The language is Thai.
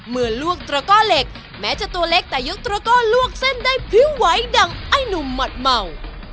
เมื่อลวกตระก้อเหล็กแม้จะตัวเล็กแต่ยกตระก้อลวกเส้นได้พริ้วไหวดังไอ้หนุ่มหมัดเมา